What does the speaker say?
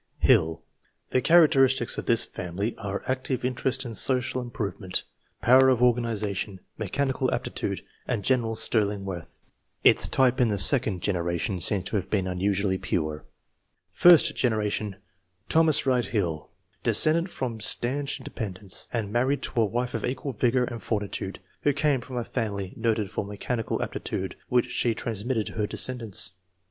HiLL. The characteristics of this family are, active interest in social improvement, power of organization, mechanical aptitude, and general sterling worth. Its type in the second generation seems to have been unusually pure. First generation. — Thomas Wright Hill, de scended from stanch Independents, and married to a wife of equal vigour and fortitude, who came from a family noted for mechanical apti tude, which she transmitted to her descendants.